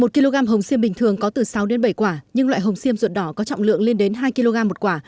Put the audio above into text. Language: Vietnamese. một kg hồng xiêm bình thường có từ sáu đến bảy quả nhưng loại hồng xiêm ruột đỏ có trọng lượng lên đến hai kg một quả